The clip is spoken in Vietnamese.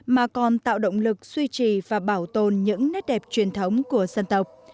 mà còn tạo động lực suy trì và bảo tồn những nét đẹp truyền thống của dân tộc